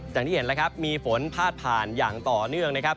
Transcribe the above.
อย่างที่เห็นแล้วครับมีฝนพาดผ่านอย่างต่อเนื่องนะครับ